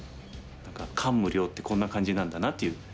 感無量ってこんな感じなんだなっていう。